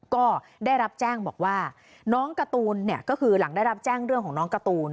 ก็ได้รับแจ้งบอกว่าน้องการ์ตูนเนี่ยก็คือหลังได้รับแจ้งเรื่องของน้องการ์ตูน